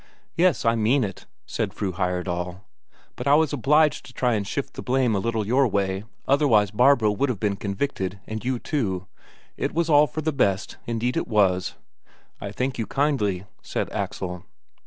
"Yes, I mean it," said Fru Heyerdahl. "But I was obliged to try and shift the blame a little your way, otherwise Barbro would have been convicted, and you too. It was all for the best, indeed it was." "I thank you kindly," said Axel.